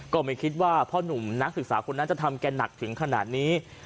ก็ไม่คิดว่าพ่อหนุ่มนักศึกษาคนนั้นจะทำแกหนักถึงขนาดนี้